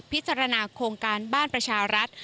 พิจารณาโครงการบ้านประชารัฐ